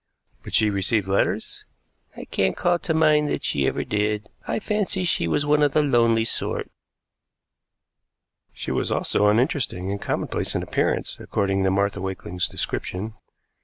"But she received letters?" "I can't call to mind that she ever did. I fancy she was one of the lonely sort." She was also uninteresting and commonplace in appearance, according to Martha Wakeling's description.